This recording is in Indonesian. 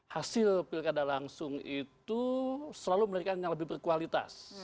hasil pilih kata langsung itu selalu menarikannya lebih berkualitas